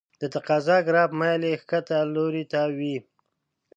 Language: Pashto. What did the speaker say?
د تقاضا ګراف میل یې ښکته لوري ته وي.